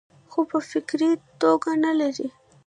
خو پۀ فکري توګه نۀ لري -